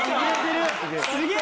すげえ！